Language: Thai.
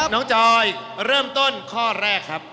จอยเริ่มต้นข้อแรกครับ